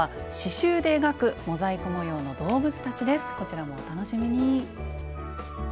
こちらもお楽しみに。